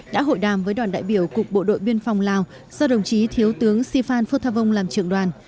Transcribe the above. đã hội đàm với đoàn đại biểu cục bộ đội biên phòng lào do đồng chí thiếu tướng sifan phu tha vong làm trưởng đoàn